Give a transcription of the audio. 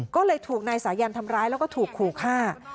ก็เลยถูกนายสายันทำร้ายแล้วก็ถูกขู่ฆ่า